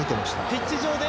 ピッチ上で？